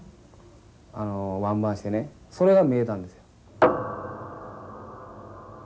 あのワンバウンドしてねそれが見えたんです。